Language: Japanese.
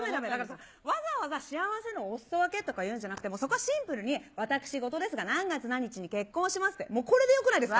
わざわざ幸せのおすそ分けって言うんじゃなくて、そこはシンプルに、私事ですが何月何日に結婚しますって、これでよくないですか？